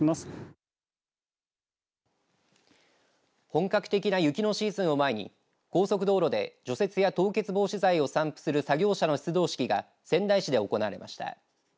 本格的な雪のシーズンを前に高速道路で除雪や凍結防止剤を散布する作業車の出動式が仙台市で行われました。